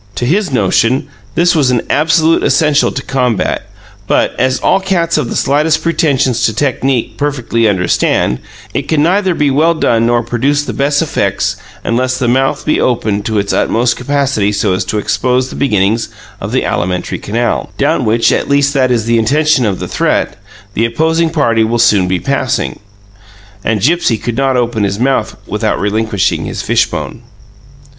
To his notion, this was an absolute essential to combat; but, as all cats of the slightest pretensions to technique perfectly understand, it can neither be well done nor produce the best effects unless the mouth be opened to its utmost capacity so as to expose the beginnings of the alimentary canal, down which at least that is the intention of the threat the opposing party will soon be passing. And Gipsy could not open his mouth without relinquishing his fishbone.